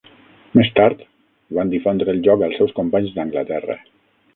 Més tard van difondre el joc als seus companys d'Anglaterra.